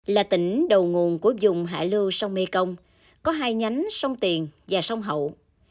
là tỉnh đầu nguồn của dùng hải lưu sông mê công có hai nhánh sông tiền và sông hậu